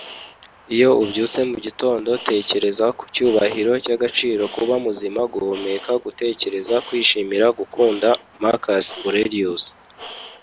iyo ubyutse mu gitondo, tekereza ku cyubahiro cy'agaciro kuba muzima, guhumeka, gutekereza, kwishimira, gukunda. - marcus aurelius